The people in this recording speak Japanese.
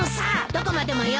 どこまでもよ！